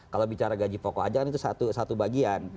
kalau bicara gaji pokok aja kan itu satu bagian